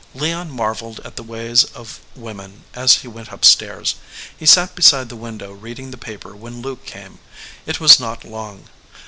Leon marveled at the ways of women as he went up stairs. He sat beside the window reading the paper when Luke came it was not long.